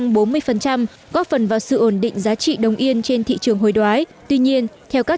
góp bốn mươi góp phần vào sự ổn định giá trị đồng yên trên thị trường hồi đoái tuy nhiên theo các